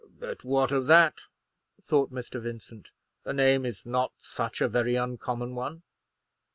"But what of that?" thought Mr. Vincent. "The name is not such a very uncommon one."